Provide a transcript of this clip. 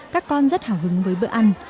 các con rất hào hứng với bữa ăn